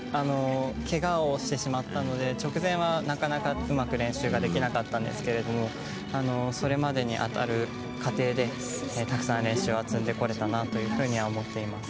けがをしてしまったので、直前はなかなか、うまく練習ができなかったんですけれども、それまでに当たる過程で、たくさん練習は積んでこれたなというふうには思っています。